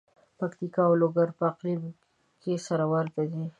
پکتیا او لوګر په اقلیم کې سره ورته دي.